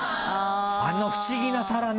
あの不思議な皿ね